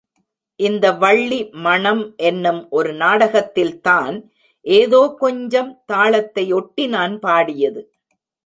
இந்த வள்ளி மணம் என்னும் ஒரு நாடகத்தில்தான் ஏதோ கொஞ்சம் தாளத்தை ஒட்டி நான் பாடியது.